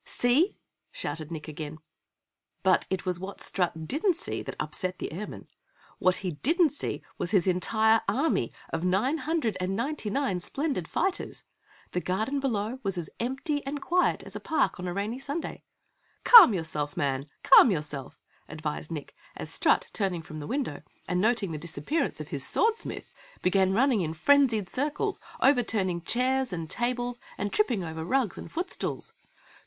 "See!" shouted Nick again. But it was what Strut didn't see that upset the Airman! What he didn't see was his entire army of nine hundred and ninety nine splendid fighters! The garden below was as empty and quiet as a park on a rainy Sunday. "Calm yourself, Man! Calm yourself!" advised Nick as Strut, turning from the window and noting the disappearance of his Swordsmith, began running in frenzied circles, overturning chairs and tables and tripping over rugs and foot stools.